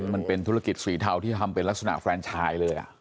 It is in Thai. มันเป็นธุรกิจสีเทาที่ทำเป็นลักษณะแฟนชายเลย